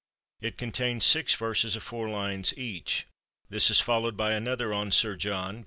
It contains six verses of four lines each. This is followed by another on Sir John (p.